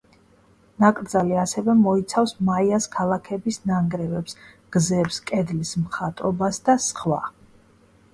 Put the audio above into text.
ნაკრძალი ასევე მოიცავს მაიას ქალაქების ნანგრევებს, გზებს, კედლის მხატვრობას და სხვა.